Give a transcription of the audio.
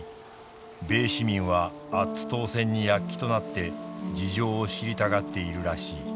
米市民はアッツ島戦にやっきとなって事情を知りたがっているらしい。